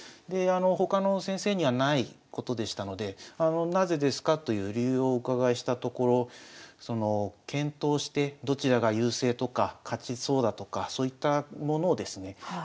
他の先生にはないことでしたのでなぜですかという理由をお伺いしたところ検討してどちらが優勢とか勝ちそうだとかそういったものをですね